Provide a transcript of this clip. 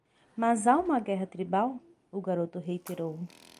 "Mas há uma guerra tribal?" o garoto reiterou.